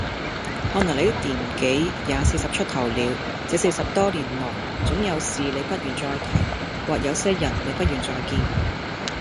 看來你的年紀也四十出頭了，這四十多年來，總有事你不願再提，或有些人你不願再見。